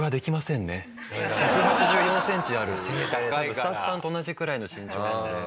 スタッフさんと同じくらいの身長なので。